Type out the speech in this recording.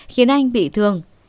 khiến anh bị thương